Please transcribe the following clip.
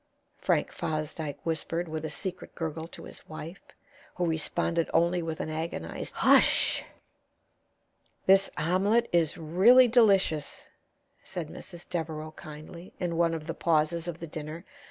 Frank Fosdyke whispered with a secret gurgle to his wife, who responded only with an agonized "Hush!" "This omelet is really delicious," said Mrs. Devereaux, kindly, in one of the pauses of the dinner.